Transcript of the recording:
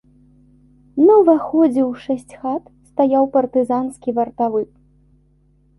На ўваходзе ў шэсць хат стаяў партызанскі вартавы.